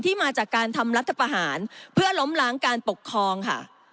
มาจากการทำรัฐประหารเพื่อล้มล้างการปกครองค่ะ